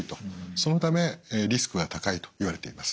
そのためリスクが高いといわれています。